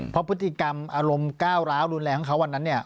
เพราะพฤติกรรมอารมณ์ก้าวร้าวรุนแรงของเขาวันนั้นเนี่ย